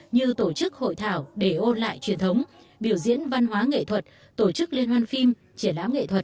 như tổ chức hội thảo để ôn lại truyền thống biểu diễn văn hóa nghệ thuật tổ chức liên hoan phim triển lãm nghệ thuật